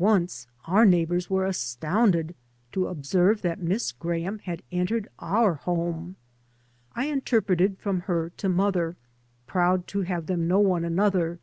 Once our neighbours were astounded to observe that Miss Graham had entered our home. I interpreted from her to mother, proud to have them know one another.